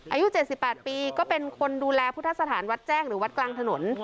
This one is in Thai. อายุเจ็ดสิบแปดปีก็เป็นคนดูแลพุทธศาสตร์วัดแจ้งหรือวัดกลางถนน